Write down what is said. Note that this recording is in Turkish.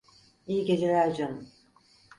İyi geceler canım.